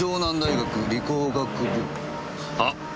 あっ！